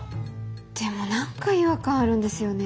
でも何か違和感あるんですよね。